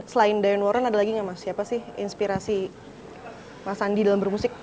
selain diane warren ada lagi gak mas inspirasi mas sandi dalam bermusik